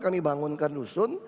kami bangunkan rusun